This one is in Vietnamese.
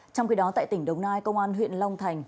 trong khi đó tại tỉnh đồng nai công an huyện long thành